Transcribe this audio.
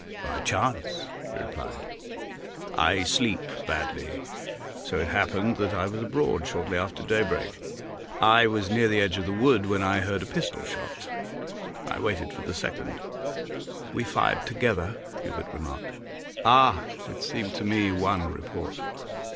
'By chance,' he replied. 'I sleep badly; so it happened that I was abroad shortly after daybreak. I was near the edge of the wood when I heard a pistol shot. I waited for the second.' 'We fired together,' Hubert remarked. 'Ah! It seemed to me one report.